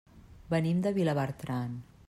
Venim de Vilabertran.